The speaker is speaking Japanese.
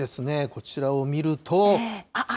こちらを見ると。